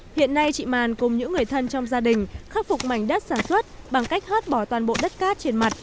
hiện nay chị màn cùng những người thân trong gia đình khắc phục mảnh đất sản xuất bằng cách hớt bỏ toàn bộ đất cát trên mặt